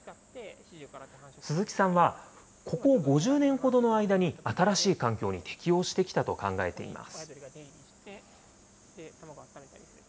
鈴木さんはここ５０年ほどの間に、新しい環境に適応してきたと考えています。